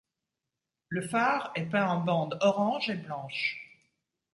Le phare est peint en bandes orange et blanches.